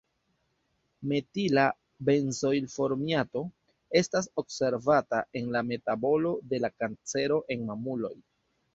Metila benzoilformiato estas observata en la metabolo de la kancero en mamuloj.